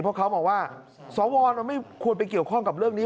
เพราะเขามองว่าสวมันไม่ควรไปเกี่ยวข้องกับเรื่องนี้